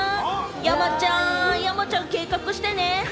山ちゃん、山ちゃん、計画してね。